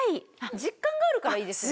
実感があるからいいですよね。